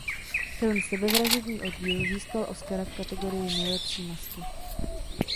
Film "Sebevražedný oddíl" získal Oscara v kategorii Nejlepší masky.